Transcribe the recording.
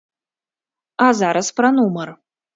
А зараз пра нумар.